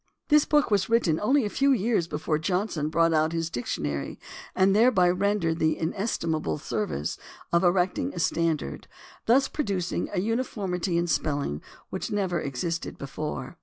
This book was written only a few years before Johnson brought out his dic tionary and thereby rendered the inestimable service of erecting a standard, thus producing a uniformity in spelling which never existed before.